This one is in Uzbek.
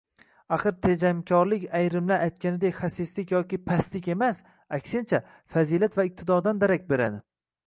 Axir, tejamkorlik ayrimlar aytganidek xasislik yo pastlik emas, aksincha, fazilat va iqtidordan darak beradi!